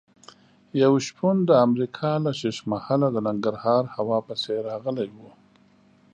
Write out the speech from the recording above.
یو شپون د امریکا له ښیښ محله د ننګرهار هوا پسې راغلی و.